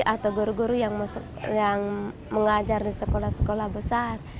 atau guru guru yang mengajar di sekolah sekolah besar